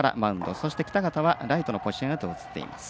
そして北方はライトのポジションへと移っています。